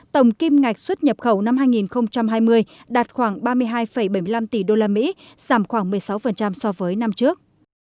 tổng kim ngạch xuất nhập khẩu năm hai nghìn hai mươi đạt khoảng ba mươi hai bảy mươi năm tỷ usd giảm khoảng một mươi sáu so với năm trước